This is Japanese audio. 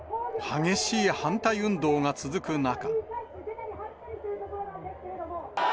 激しい反対運動が続く中。